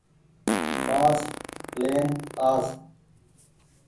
بآس لين آس۔